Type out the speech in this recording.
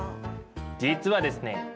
実はですね